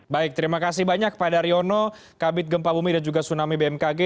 baik terima kasih banyak kepada ariono kabupaten gempa bumi dan juga tsunami bmkg